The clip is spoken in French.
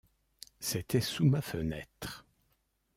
C’était sous ma fenêtre.